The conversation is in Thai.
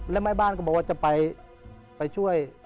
แล้วแม่บ้านก็บอกว่าจะไปช่วย